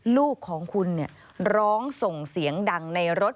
ลูกของคุณร้องส่งเสียงดังในรถ